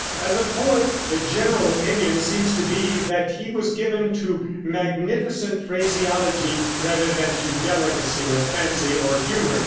As a poet the general opinion seems to be that he was given to magnificent phraseology rather than to delicacy of fancy or humor.